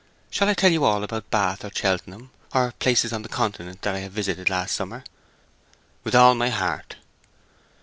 Shall I tell you all about Bath or Cheltenham, or places on the Continent that I visited last summer?" "With all my heart."